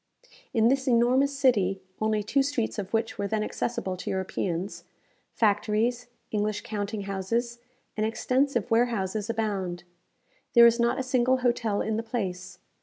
In this enormous city (only two streets of which were then accessible to Europeans), factories, English counting houses, and extensive warehouses abound. There is not a single hotel in the place.